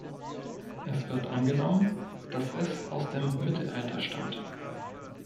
Es wird angenommen, dass es aus dem Mittelalter stammt.